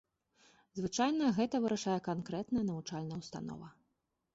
Звычайна гэта вырашае канкрэтная навучальная ўстанова.